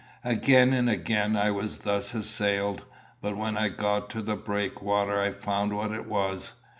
Again and again I was thus assailed, but when I got to the breakwater I found what it was.